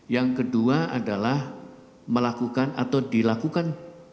yang kedua adalah melakukan atau dilakukan